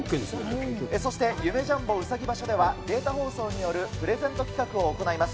そして、夢・ジャンボうさぎ場所では、データ放送によるプレゼント企画も行います。